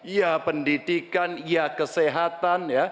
ya pendidikan ya kesehatan